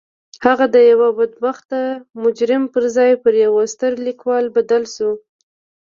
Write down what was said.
هغه د یوه بدبخته مجرم پر ځای پر یوه ستر لیکوال بدل شو